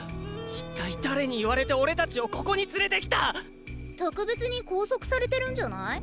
一体誰に言われておれ達をここに連れてきた⁉特別に拘束されてるんじゃない？